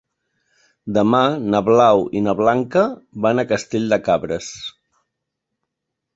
Demà na Blau i na Blanca van a Castell de Cabres.